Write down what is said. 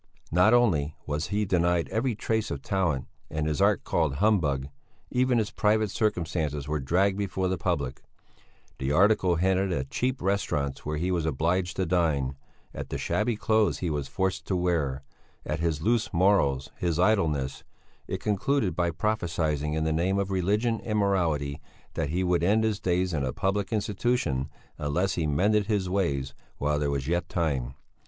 Not only was he denied every trace of talent and his art called humbug; even his private circumstances were dragged before the public; the article hinted at cheap restaurants where he was obliged to dine; at the shabby clothes he was forced to wear; at his loose morals, his idleness; it concluded by prophesying in the name of religion and morality that he would end his days in a public institution unless he mended his ways while there was yet time.